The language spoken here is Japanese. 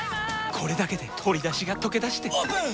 これだけで鶏だしがとけだしてオープン！